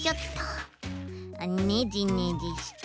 ねじねじして。